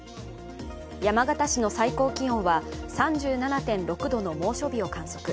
山形市の最高気温は３７．６度の猛暑日を観測。